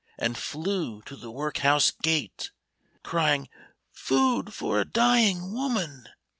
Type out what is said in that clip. And flew to the workhouse gate, Crying, * Food for a dying woman